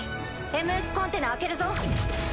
ＭＳコンテナ開けるぞ。